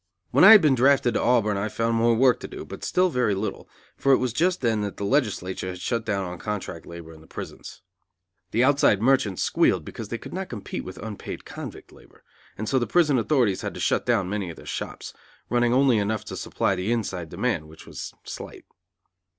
When I had been drafted to Auburn I found more work to do, but still very little, for it was just then that the legislature had shut down on contract labor in the prisons. The outside merchants squealed because they could not compete with unpaid convict labor; and so the prison authorities had to shut down many of their shops, running only enough to supply the inside demand, which was slight.